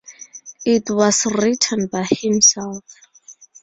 It was written by himself.